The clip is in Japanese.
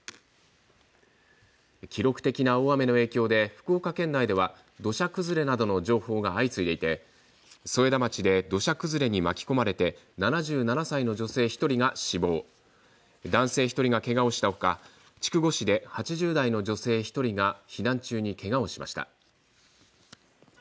記録的な大雨の影響で福岡県内では土砂崩れなどの情報が相次いでいて添田町で土砂崩れに巻き込まれて７７歳の女性１人が死亡男性１人がけがをしたほか筑後市で８０代の女性１人が避難中に、けがをしました。